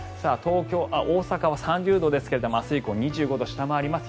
大阪は３０度ですが明日以降２５度を下回ります。